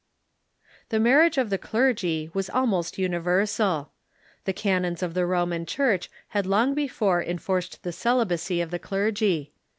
The marriage of the clergy was almost universal. The canons of the Roman Church had long before enforced the celibacy of the clergy.